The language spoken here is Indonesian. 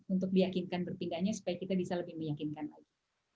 untuk meyakinkan berpindahnya supaya kita bisa lebih meyakinkan lagi